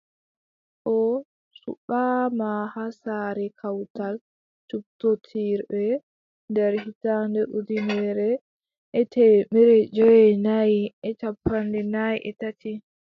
O suɓaama haa saare kawtal cuɓtootirɓe nder hitaande ujineere e teemeɗɗe joweenayi e cappanɗe nay e tati.